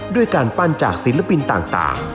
ด้วยการปั้นจากศิลปินต่าง